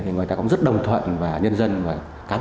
người ta cũng rất đồng thuận và nhân dân và cá táng ý